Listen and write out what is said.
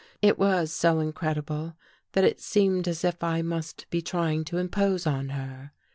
It was so incredible that it seemed as if I must be trying to impose on her.